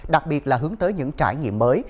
đặc biệt là hướng tới những trải nghiệm mới